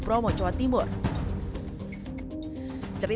saat menyeandai medan nya iri